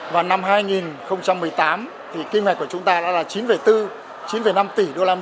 và năm hai nghìn một mươi tám thì kim ngạch của chúng ta đã là chín bốn chín năm tỷ usd